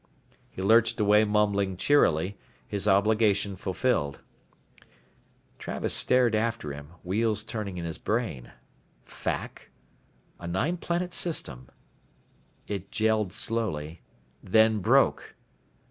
He lurched away mumbling cheerily, his obligation fulfilled. Travis stared after him, wheels turning in his brain. Fack? A nine planet system. It jelled slowly, then broke.